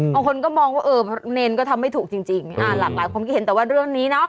บางคนก็มองว่าเน็นก็ทำไม่ถูกจริงหลักผมก็เห็นแต่ว่าเรื่องนี้เนาะ